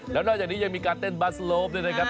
แล้วนอกจากนี้ยังมีการเต้นบัสโลฟด้วยนะครับ